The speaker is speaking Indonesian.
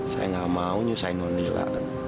saya enggak mau nyusahin nona